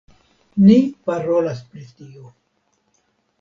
Ni parolas pri tio.